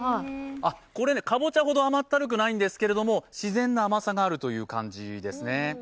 これね、かぼちゃほど甘ったるくないんですけど自然な甘さがあるという感じですね。